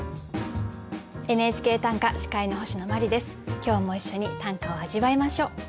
今日も一緒に短歌を味わいましょう。